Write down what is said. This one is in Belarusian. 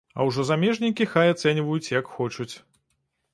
А ўжо замежнікі хай ацэньваюць, як хочуць.